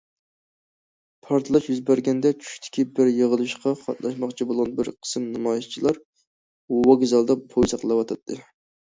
پارتلاش يۈز بەرگەندە چۈشتىكى بىر يىغىلىشقا قاتناشماقچى بولغان بىر قىسىم نامايىشچىلار ۋوگزالدا پويىز ساقلاۋاتاتتى.